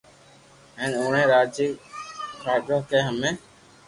ھين اوڻي راجائي ڪآدو ڪي ھمي